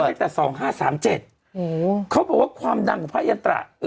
เขาจำแล้วว่าได้แต่๒๕๓๗เขาบอกว่าความดังของพระอัญตระ